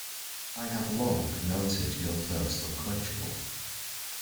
I have long noted your thirst unquenchable.